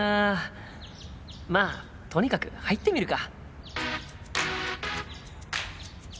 まあとにかく入ってみるか。